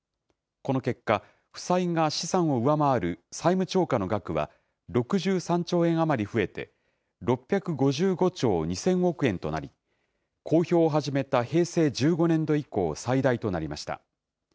この結果、負債が資産を上回る債務超過の額は、６３兆円余り増えて、６５５兆２０００億円となり、公表を始めた平成１５年度以降、最大となりました。